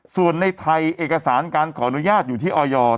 ส่วนในไทยเอกสารการขออนุญาตอยู่ที่ออย